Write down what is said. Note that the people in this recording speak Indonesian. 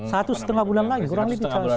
satu setengah bulan lagi